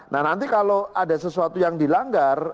nah nanti kalau ada sesuatu yang dilanggar